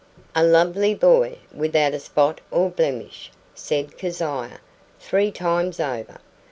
"A lovely boy, without spot or blemish," said Keziah, three times over.